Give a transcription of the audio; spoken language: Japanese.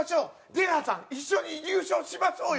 「出川さん一緒に優勝しましょうよ！」